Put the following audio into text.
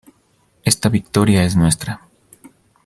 Esta victoria es nuestra.